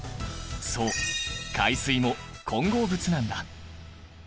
そう海水も混合物なんだ。